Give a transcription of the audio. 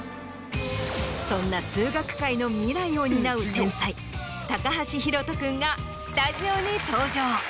そんな数学界の未来を担う天才高橋洋翔君がスタジオに登場。